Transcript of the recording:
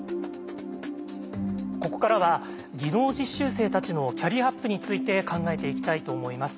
ここからは技能実習生たちのキャリアアップについて考えていきたいと思います。